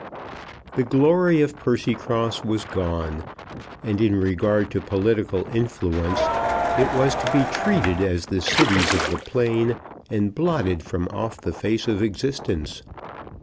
The glory of Percycross was gone, and in regard to political influence it was to be treated as the cities of the plain, and blotted from off the face of existence.